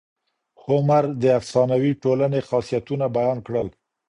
هومر د افسانوي ټولني خاصيتونه بیان کړل.